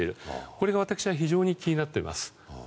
これが私は非常に気になっています。